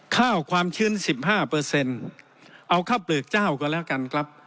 ข้าวความชื้น๑๕เปอร์เซ็นต์เอาข้าวเปลือกเจ้าก็แล้วกันครับ